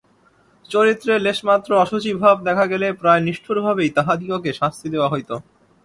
চরিত্রে লেশমাত্র অশুচি ভাব দেখা গেলে প্রায় নিষ্ঠুরভাবেই তাহাদিগকে শাস্তি দেওয়া হইত।